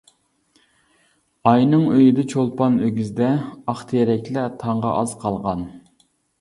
ئاينىڭ ئۆيىدە چولپان ئۆگزىدە. ئاق تېرەكلەر تاڭغا ئاز قالغان.